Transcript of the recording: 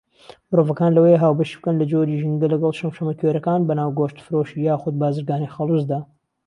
مرۆڤەکان لەوەیە هاوبەشی بکەن لە جۆری ژینگە لەگەڵ شەمشەمەکوێرەکان بەناو گۆشتفرۆشی یاخود بارزگانی خەڵوزدا.